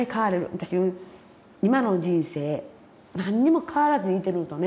私今の人生何にも変わらずいてるんとね。